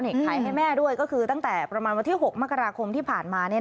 ขายให้แม่ด้วยก็คือตั้งแต่ประมาณวันที่๖มกราคมที่ผ่านมา